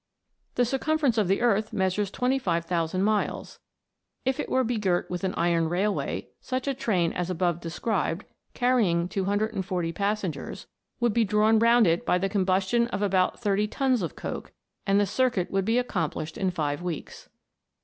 The circumference of the earth measures 25,000 miles ; if it were begirt with an iron railway, such a train as above described, carrying 240 passengers, would be drawn round it by the combustion of about thirty tons of coke, and the circuit would be accomplished in five weeks.